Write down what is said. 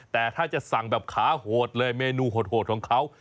แต่ถ้าจะสั่งแบบขาโหดเลยเมนูโหดของเขา